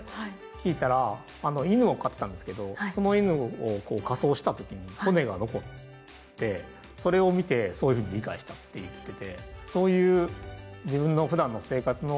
聞いたら、犬を飼ってたんですけど、その犬を火葬したときに骨が残って、それを見てそういうふうに理解したと言ってて。